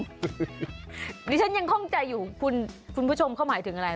เดี๋ยวฉันยังคงใจอยู่คุณผู้ชมเข้าหมายถึงอะไร